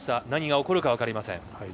何が起きるか分かりません。